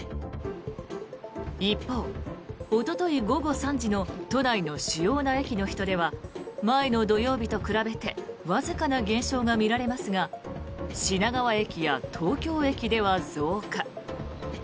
一方、おととい午後３時の都内の主要な駅の人出は前の土曜日と比べてわずかな減少が見られますが品川駅や東京駅では増加。